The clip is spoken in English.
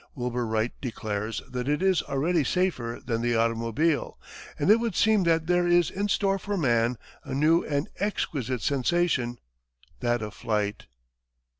Wilbur Wright declares that it is already safer than the automobile, and it would seem that there is in store for man a new and exquisite sensation, that of flight.